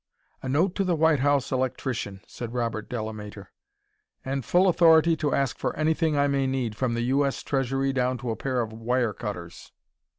"A note to the White House electrician," said Robert Delamater, "and full authority to ask for anything I may need, from the U. S. Treasury down to a pair of wire cutters."